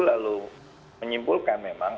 lalu menyimpulkan memang